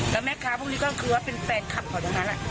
แล้วแม่ค้าพวกนี้ก็คือว่าเป็นแฟนคลับเขาตรงนั้น